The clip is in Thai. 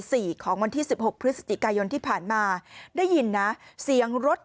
ของวันที่สิบหกพฤศจิกายนที่ผ่านมาได้ยินนะเสียงรถ